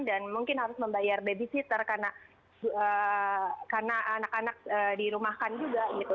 dan mungkin harus membayar babysitter karena anak anak dirumahkan juga gitu